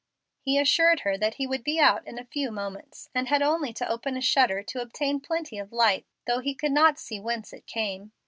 He assured her that he would be out in a few moments, and had only to open a shutter to obtain plenty of light, though he could not see whence it came.